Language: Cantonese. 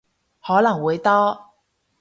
可能會多